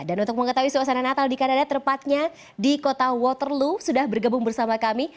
dan untuk mengetahui suasana natal di kanada terpatnya di kota waterloo sudah bergabung bersama kami